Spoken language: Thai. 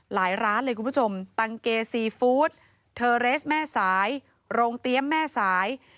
ร้านเลยคุณผู้ชมตังเกซีฟู้ดเทอร์เรสแม่สายโรงเตรียมแม่สาย